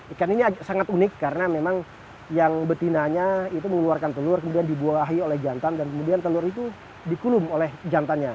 ikan ini sangat unik karena memang yang betinanya itu mengeluarkan telur kemudian dibuahi oleh jantan dan kemudian telur itu dikulum oleh jantannya